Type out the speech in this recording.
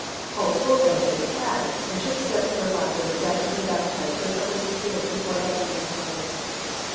Paul told them that it had and took steps whereby they were definitely baptized with the Holy Spirit before that meeting closed.